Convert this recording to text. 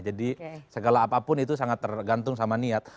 jadi segala apapun itu sangat tergantung sama niat